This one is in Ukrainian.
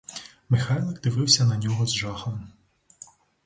Михайлик дивився на нього з жахом.